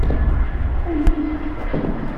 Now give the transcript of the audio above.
Amek i s-cfan?